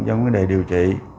cho vấn đề điều trị